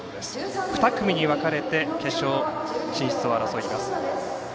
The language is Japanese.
２組に分かれて決勝進出を争います。